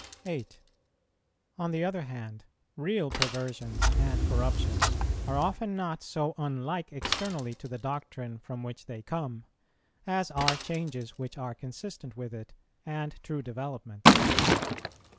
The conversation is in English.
8. On the other hand, real perversions and corruptions are often not so unlike externally to the doctrine from which they come, as are changes which are consistent with it and true developments.